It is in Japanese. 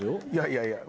いやいや。